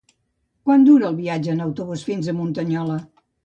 Quant dura el viatge en autobús fins a Muntanyola?